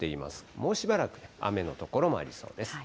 もうしばらく雨の所もありそうです。